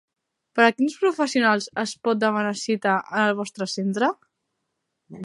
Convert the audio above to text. Per a quins professionals es pot demanar cita en el vostre centre?